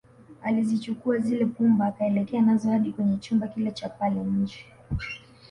Alizichukua zile pumba akaelekea nazo hadi kwenye chumba kile Cha pale nje